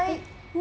お！